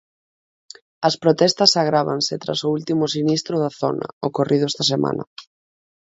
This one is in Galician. As protestas agrávanse tras o último sinistro na zona, ocorrido esta semana.